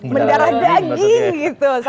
mendara daging maksudnya